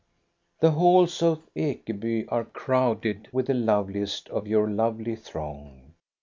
The halls of Ekeby are crowded with the loveliest of your lovely throng.